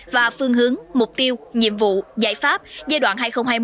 và phương hướng mục tiêu nhiệm vụ giải pháp giai đoạn hai nghìn hai mươi hai nghìn hai mươi năm